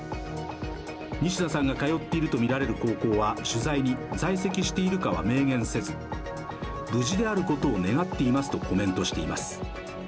仁科さんが通っているとみられる高校は取材に、在籍しているかは明言せず無事であることを願っていますとコメントしています。